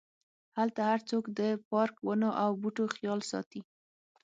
هلته هرڅوک د پارک، ونو او بوټو خیال ساتي.